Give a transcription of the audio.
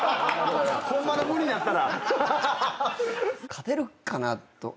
勝てるかなと。